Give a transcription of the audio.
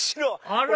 あら！